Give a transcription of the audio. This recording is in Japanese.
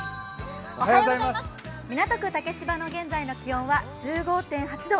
港区竹芝の現在の気温は１５．８度。